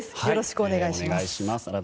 よろしくお願いします。